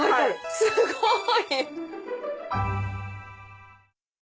すごい！